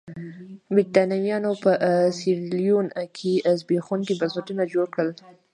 برېټانویانو په سیریلیون کې زبېښونکي بنسټونه جوړ کړل.